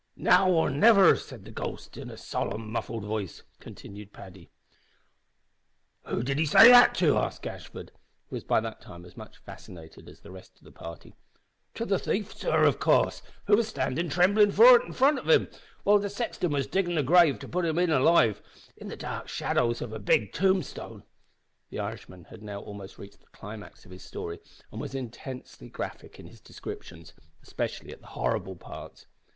"`Now or niver,' said the ghost, in a solemn muffled vice," continued Paddy "Who did he say that to?" asked Gashford, who was by that time as much fascinated as the rest of the party. "To the thief, sor, av coorse, who was standin' tremblin' fornint him, while the sexton was diggin' the grave to putt him in alive in the dark shadow of a big tombstone." The Irishman had now almost reached the climax of his story, and was intensely graphic in his descriptions especially at the horrible parts.